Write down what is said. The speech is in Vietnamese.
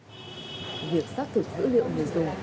việc xác thực dữ liệu người dùng